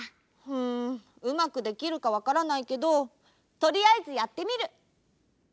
んうまくできるかわからないけどとりあえずやってみる！